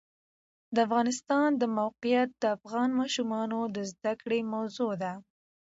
د افغانستان د موقعیت د افغان ماشومانو د زده کړې موضوع ده.